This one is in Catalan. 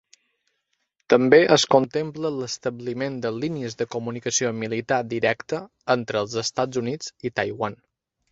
També es contempla l'establiment de línies de comunicació militar directa entre els Estats Units i Taiwan.